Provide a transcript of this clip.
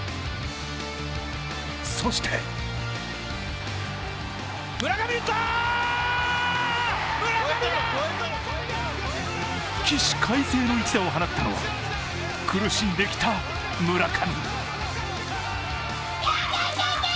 そして起死回生の一打を放ったのは苦しんできた村上。